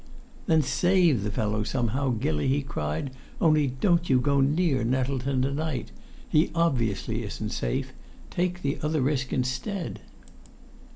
"Then save the fellow somehow, Gilly," he cried, "only don't you go near Nettleton to night! He obviously isn't safe; take the other risk instead.